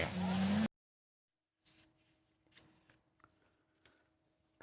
ครั้งแรก